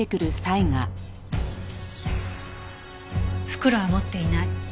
袋は持っていない。